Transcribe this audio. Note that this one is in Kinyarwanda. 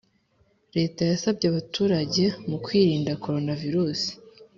Leta yasabye abaturenge mukwirinda coronavirusi